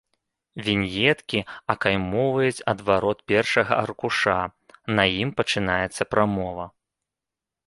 Віньеткі акаймоўваюць адварот першага аркуша, на ім пачынаецца прамова.